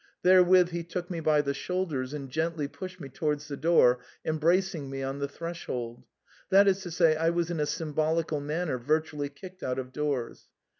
Therewith he took me by the shoul ders and gently pushed me towards the door, embracing me on the threshold. That is to say, I was in a sym bolical manner virtually kicked out of doors.